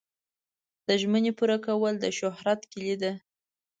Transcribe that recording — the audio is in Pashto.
د ژمنې پوره کول د شهرت کلي ده.